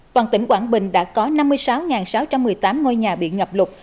toàn tỉnh quảng bình đã có năm mươi sáu sáu trăm một mươi tám ngôi nhà bị ngập lụt